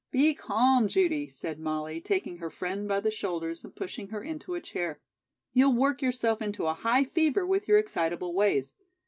"Be calm, Judy," said Molly, taking her friend by the shoulders and pushing her into a chair. "You'll work yourself into a high fever with your excitable ways.